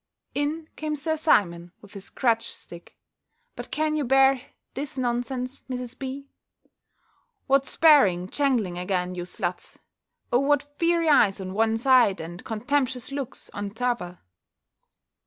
In came Sir Simon with his crutch stick But can you bear this nonsense, Mrs. B.? "What sparring, jangling again, you sluts! O what fiery eyes on one side! and contemptuous looks on t'other!"